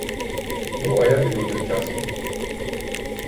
Ну, а я піду тим часом.